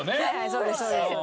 そうですそうです。